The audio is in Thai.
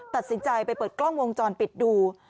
ตัดสินใจไปเปิดกล้องวงจรปิดดู